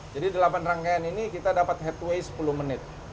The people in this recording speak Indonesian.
jadi delapan rangkaian ini kita dapat headway sepuluh menit